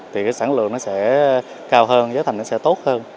thì cái sản lượng nó sẽ cao hơn giá thành nó sẽ tốt hơn